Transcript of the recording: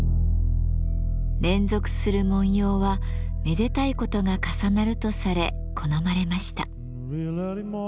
連続する文様はめでたいことが重なるとされ好まれました。